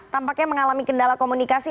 tampaknya mengalami kendala komunikasi